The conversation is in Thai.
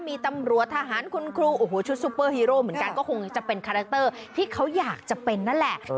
มีตำรวจทหารคุณครูโอ้โหชุดซูเปอร์ฮีโร่เหมือนกันก็คงจะเป็นคาแรคเตอร์ที่เขาอยากจะเป็นนั่นแหละ